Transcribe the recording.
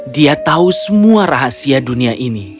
dia tahu semua rahasia dunia ini